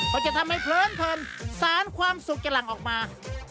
ก็จะทำให้เพลินสารความสุขกำลังออกมา